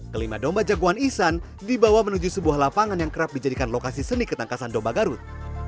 kelima domba jagoan ihsan dibawa menuju sebuah lapangan yang kerap dijadikan lokasi seni ketangkasan domba garut